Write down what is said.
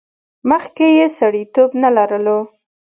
مخکې یې سړیتیوب نه لرلو.